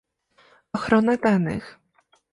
Ochrona danych